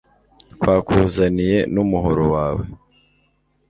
twakuzaniye numuhoro wawe »